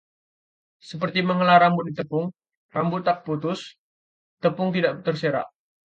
Seperti menghela rambut ditepung, rambut tak putus, tepung tidak terserak